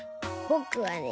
ぼくはね。